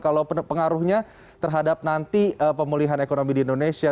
kalau pengaruhnya terhadap nanti pemulihan ekonomi di indonesia